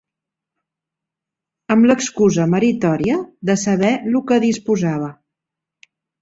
Amb l'excusa meritoria de saber lo que disposava